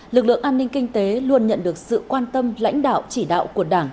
lực lượng an ninh kinh tế luôn nhận được sự quan tâm lãnh đạo chỉ đạo của đảng